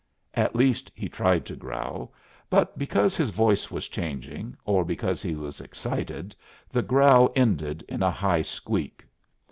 At least, he tried to growl, but because his voice was changing, or because he was excited the growl ended in a high squeak.